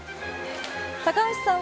高橋さん